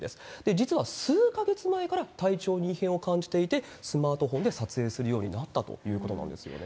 実は数か月前から体調に異変を感じていて、スマートフォンで撮影するようになったということなんですよね。